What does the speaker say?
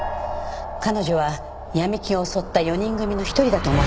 彼女は闇金を襲った４人組の１人だと思われます。